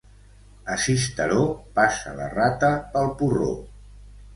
A Sisteró passa la rata pel porró.